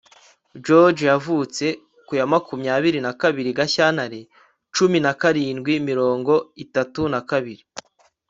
George S yavutse ku ya makumyabiri na kabiri Gashyantare cumi na karindwi mirongo itatu na kabiri